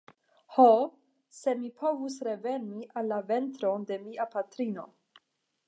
Ho, se mi povus reveni en la ventron de mia patrino!